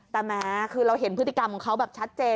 แต่แม้คือเราเห็นพฤติกรรมของเขาแบบชัดเจน